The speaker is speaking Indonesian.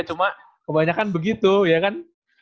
cuma kebanyakan begitu ya kan